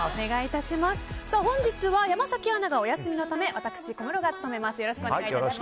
本日は山崎アナがお休みのため私、小室が務めます。